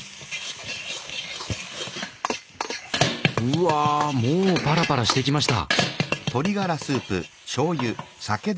うわもうパラパラしてきました！